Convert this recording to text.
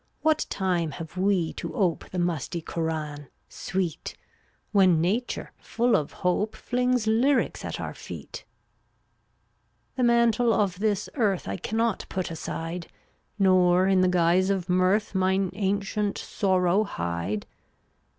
What time have we to ope The musty Koran, Sweet, When nature, full of hope, Flings lyrics at our feet? 371 The mantle of this earth I cannot put aside, Nor in the guise of mirth Mine ancient sorrow hide.